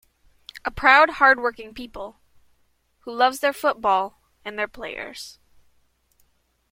A proud, hard-working people, who loves their football, and their players.